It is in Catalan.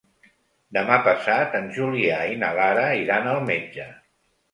Demà passat en Julià i na Lara iran al metge.